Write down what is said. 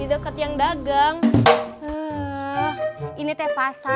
itu kayaknya allah diaya